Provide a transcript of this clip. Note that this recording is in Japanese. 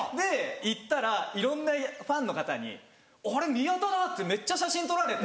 行ったらいろんなファンの方に「あれ宮田だ！」ってめっちゃ写真撮られて。